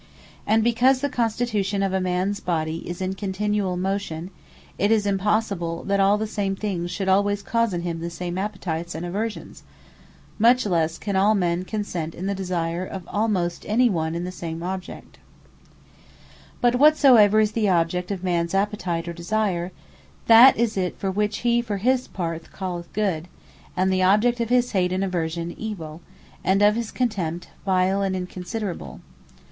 And because the constitution of a mans Body, is in continuall mutation; it is impossible that all the same things should alwayes cause in him the same Appetites, and aversions: much lesse can all men consent, in the Desire of almost any one and the same Object. Good Evill But whatsoever is the object of any mans Appetite or Desire; that is it, which he for his part calleth Good: And the object of his Hate, and Aversion, evill; And of his contempt, Vile, and Inconsiderable.